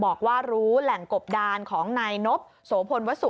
บอกว่ารู้แหล่งกบดานของนายนพโสพนว์วัสสู่